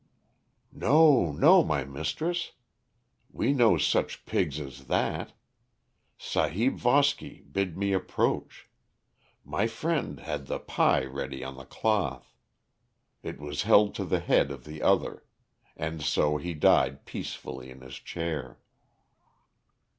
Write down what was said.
"No, no, my mistress. We no such pigs as that.... Sahib Voski bid me approach. My friend had the 'pi' ready on the cloth.... It was held to the head of the other. And so he died peacefully in his chair."